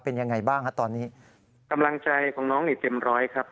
เป็นยังไงบ้างฮะตอนนี้กำลังใจของน้องนี่เต็มร้อยครับ